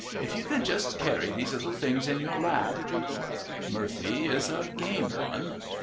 "If you can just carry these little things in your lap " Murphy is a game one.